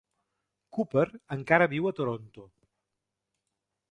Cooper encara viu a Toronto.